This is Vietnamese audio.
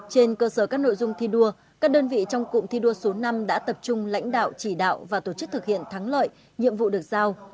trên cơ sở các nội dung thi đua các đơn vị trong cụm thi đua số năm đã tập trung lãnh đạo chỉ đạo và tổ chức thực hiện thắng lợi nhiệm vụ được giao